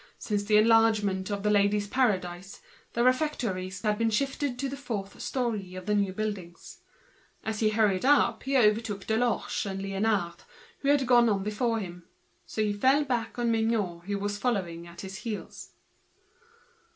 Since the enlargement of The Ladies' Paradise the refectories had been shifted to the fourth storey in the new buildings. As he hurried up he came upon Deloche and Liénard, so he fell back on Mignot, who was following on his heels.